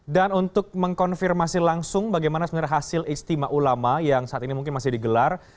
dan untuk mengkonfirmasi langsung bagaimana hasil istimewa ulama yang saat ini mungkin masih digelar